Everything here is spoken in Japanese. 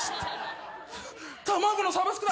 卵のサブスクだ。